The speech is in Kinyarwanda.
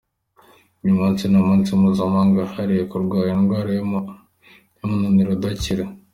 Uyu munsi ni umunsi mpuzamahanga wahariwe kurwanya indwara y’umunaniro udakira.